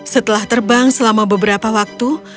setelah terbang selama beberapa waktu